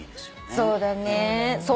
そうだよね。